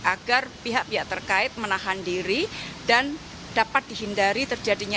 agar pihak pihak terkait menahan diri dan dapat dihindari terjadinya